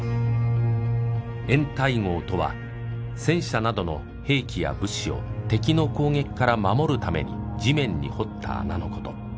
掩体壕とは戦車などの兵器や物資を敵の攻撃から守るために地面に掘った穴のこと。